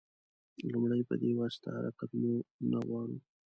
لومړی په دې واسطه حرکت مو نه غواړو.